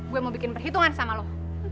gue mau bikin perhitungan sama lo